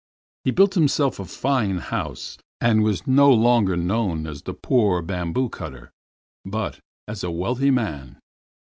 He built himself a fine house, and was no longer known as the poor bamboo woodcutter, but as a wealthy man.